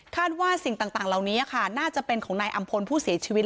ว่าสิ่งต่างเหล่านี้ค่ะน่าจะเป็นของนายอำพลผู้เสียชีวิต